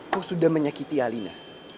kau sudah menyakiti alina